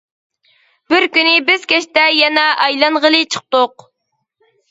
بىر كۈنى بىز كەچتە يەنە ئايلانغىلى چىقتۇق.